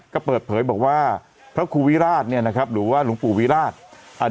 ก็เปิดเผยบอกว่าพระครูวิราชหรือว่าหลวงปู่วิราช